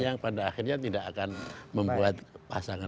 yang pada akhirnya tidak akan membuat pasangan